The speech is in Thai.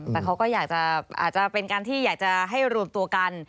แต่เขาก็อยากจะเป็นการที่อยากจะให้รวมตัวกัน